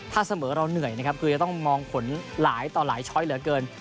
ถ้าเสมอเราเหนื่อยนะครับคือจะต้องมองผลหลายต่อหลายช้อยเหลือเกิน